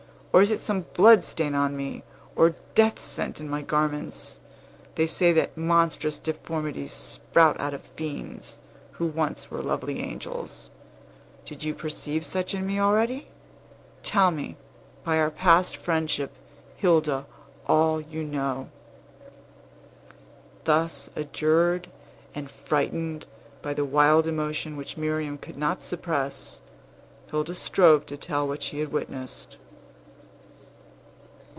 Or is it some blood stain on me, or death scent in my garments? They say that monstrous deformities sprout out of fiends, who once were lovely angels. Do you perceive such in me already? Tell me, by our past friendship, Hilda, all you know." Thus adjured, and frightened by the wild emotion which Miriam could not suppress, Hilda strove to tell what she had witnessed.